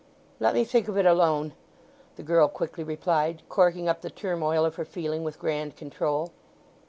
"Let me think of it alone," the girl quickly replied, corking up the turmoil of her feeling with grand control.